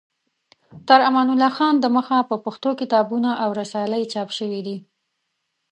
تر امان الله خان د مخه په پښتو کتابونه او رسالې چاپ شوې دي.